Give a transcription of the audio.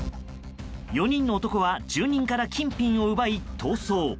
４人の男は住人から金品を奪い逃走。